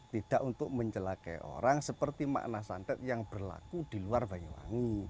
tidak untuk mencelakai orang seperti makna santet yang berlaku di luar banyuwangi